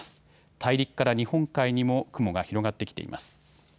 大陸から日本海にも雲が広がってきています。